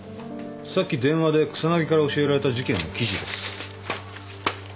さっき電話で草薙から教えられた事件の記事です。